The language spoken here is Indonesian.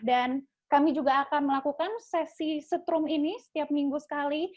dan kami juga akan melakukan sesi setrum ini setiap minggu sekali